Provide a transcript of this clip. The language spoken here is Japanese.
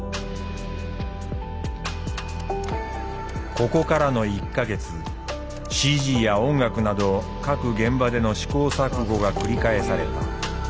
ここからの１か月ＣＧや音楽など各現場での試行錯誤が繰り返された。